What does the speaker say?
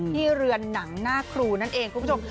เรือนหนังหน้าครูนั่นเองคุณผู้ชม